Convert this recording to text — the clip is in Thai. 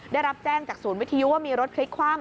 ได้รับแจ้งจากศูนย์วิทยุว่ามีรถพลิกคว่ำ